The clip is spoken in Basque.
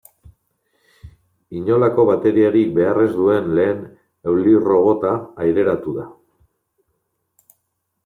Inolako bateriarik behar ez duen lehen eulirrobota aireratu da.